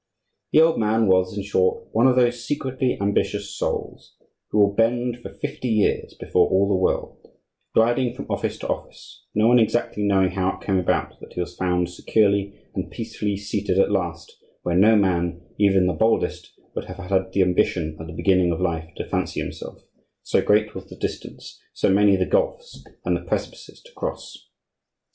This old man was, in short, one of those secretly ambitious souls who will bend for fifty years before all the world, gliding from office to office, no one exactly knowing how it came about that he was found securely and peacefully seated at last where no man, even the boldest, would have had the ambition at the beginning of life to fancy himself; so great was the distance, so many the gulfs and the precipices to cross!